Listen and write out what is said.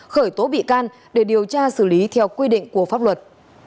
khởi tố bị can để điều tra xử lý theo quy định của pháp luật